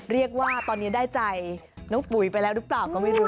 เรียกว่าตอนนี้ได้ใจน้องปุ๋ยไปแล้วหรือเปล่าก็ไม่รู้